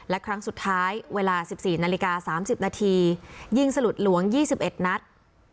และครั้งสุดท้ายเวลาสิบสี่นาฬิกาสามสิบนาทียิงสลุดหลวงยี่สิบเอ็ดนัด